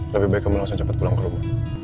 lebih baik kamu langsung cepat pulang ke rumah